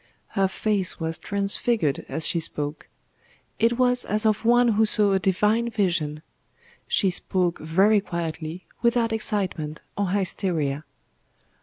Her face was transfigured as she spoke. It was as of one who saw a Divine Vision. She spoke very quietly, without excitement or hysteria.